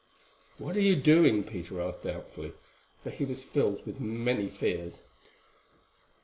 "What are you doing?" Peter asked doubtfully, for he was filled with many fears.